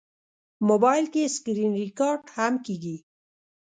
موبایل کې سکرینریکارډ هم کېږي.